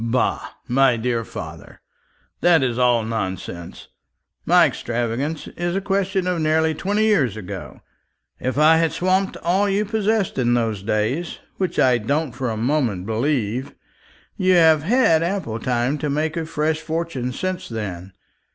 "Bah, my dear father, that is all nonsense. My extravagance is a question of nearly twenty years ago. If I had swamped all you possessed in those days which I don't for a moment believe you have had ample time to make a fresh fortune since then.